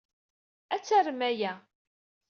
Ad tarem aya.